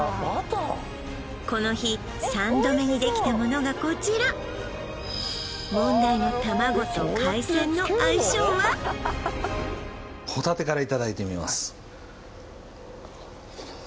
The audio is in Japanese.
この日３度目にできたものがこちら問題のホタテからいただいてみます